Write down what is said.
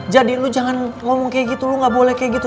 jadi lu jangan ngomong kayak gitu lu nggak boleh kayak gitu